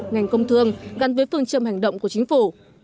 ngành công thương gắn với phương châm hành động của chính phủ